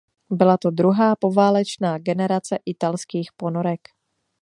Byla to druhá poválečná generace italských ponorek.